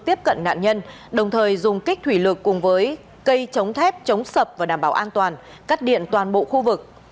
thép chống sập và đảm bảo an toàn cắt điện toàn bộ khu vực